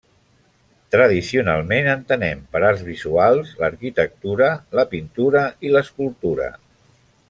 Tradicionalment, entenem per arts visuals l'arquitectura, la pintura i l'escultura.